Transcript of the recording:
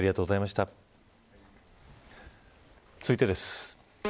続いてです。